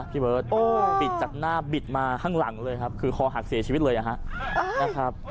พี่เบิร์ตบิดจากหน้าบิดมาข้างหลังเลยครับคือคอหักเสียชีวิตเลยนะครับ